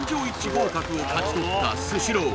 合格を勝ち取ったスシロー